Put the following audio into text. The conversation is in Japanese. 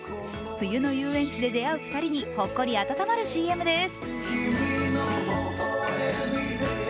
冬の遊園地で出会う２人にほっこり温まるＣＭです。